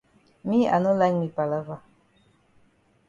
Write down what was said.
Me I no like me palava.